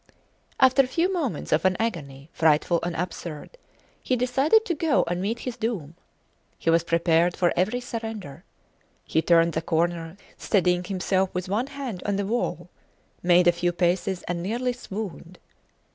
After a few moments of an agony frightful and absurd, he decided to go and meet his doom. He was prepared for every surrender. He turned the corner, steadying himself with one hand on the wall; made a few paces, and nearly swooned.